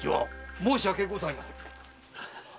申し訳ございません。